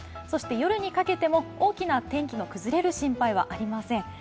そして夜にかけても大きな天気の崩れる心配はありません。